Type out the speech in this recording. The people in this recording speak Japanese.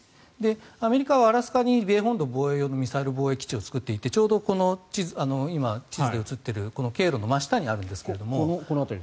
アメリカはアラスカに米本土防衛用のミサイル防衛基地を作っていてちょうど、この地図で写っているこの辺りですか。